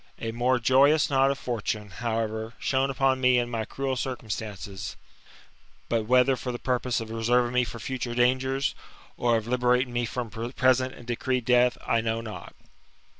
A more joyous nod of For tune, however, shone upon me in my cruel circumstances ; but whether for the purpose of reserving me for future dangers, or of liberating me from present and decreed death, I know not.